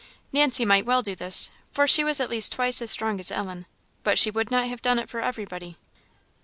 Nancy might well do this, for she was at least twice as strong as Ellen; but she would not have done it for everybody.